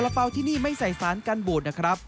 เป๋าที่นี่ไม่ใส่สารกันบูดนะครับ